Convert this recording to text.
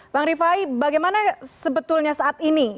bang rifai bagaimana sebetulnya saat ini